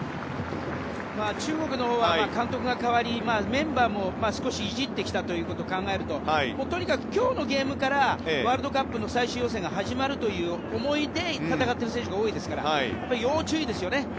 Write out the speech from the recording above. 中国のほうは監督が代わり、メンバーも少しいじってきたと考えると今日のゲームからワールドカップ最終予選が始まるという思いで戦う選手が多いので要注意ですよね。